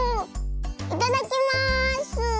いただきます！